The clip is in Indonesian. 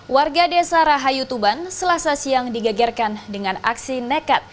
warga desa rahayu tuban selasa siang digagarkan dengan aksi nekat